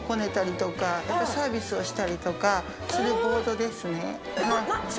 サービスをしたりとかするボードですね。